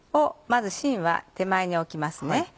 芯は手前に置きますね。